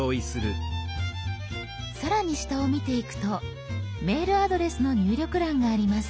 更に下を見ていくとメールアドレスの入力欄があります。